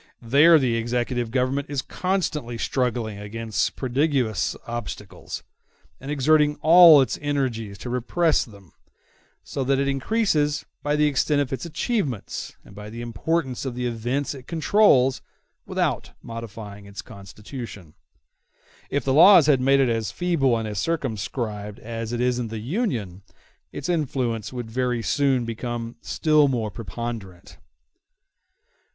There the executive government is constantly struggling against prodigious obstacles, and exerting all its energies to repress them; so that it increases by the extent of its achievements, and by the importance of the events it controls, without modifying its constitution. If the laws had made it as feeble and as circumscribed as it is in the Union, its influence would very soon become still more preponderant.